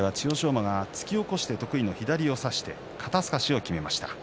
馬が突き起こして得意の左を差して肩すかしをきめました。